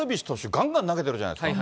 がんがん投げてるじゃないですか。